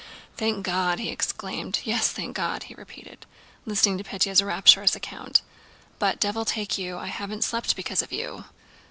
"Thank God!" he exclaimed. "Yes, thank God!" he repeated, listening to Pétya's rapturous account. "But, devil take you, I haven't slept because of you!